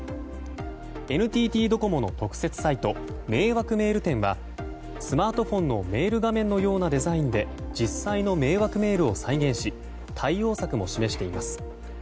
ＮＴＴドコモの特設サイト「＃迷惑メール展」はスマートフォンのメール画面のようなデザインで実際の迷惑メールを再現し対応策も示しています。